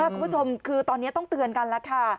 คุณผู้ชมคือตอนนี้ต้องเตือนกันแล้วค่ะ